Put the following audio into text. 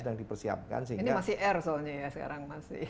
ini masih r soalnya ya sekarang